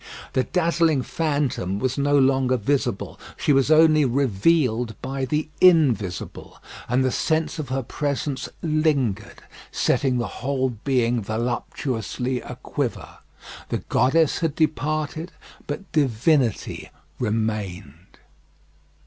The dazzling phantom was no longer visible, she was only revealed by the invisible, and the sense of her presence lingered, setting the whole being voluptuously a quiver. The goddess had departed, but divinity remained.